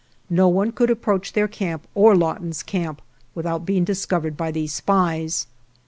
No one could approach their camp or Lawton's camp without being discovered by these spies.)